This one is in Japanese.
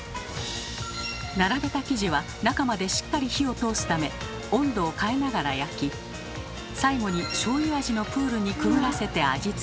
並べた生地は中までしっかり火を通すため温度を変えながら焼き最後にしょうゆ味のプールにくぐらせて味付け。